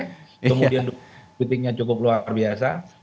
kemudian titiknya cukup luar biasa